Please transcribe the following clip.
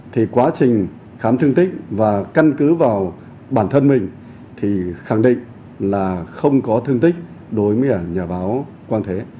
thì quá trình khám thương tích và căn cứ vào bản thân mình thì khẳng định là không có thương tích đối với nhà báo quang thế